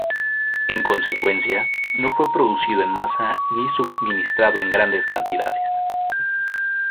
En consecuencia, no fue producido en masa ni suministrado en grandes cantidades.